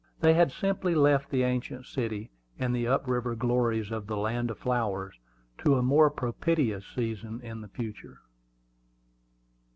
They had simply left the ancient city and the up river glories of "The Land of Flowers" to a more propitious season in the future.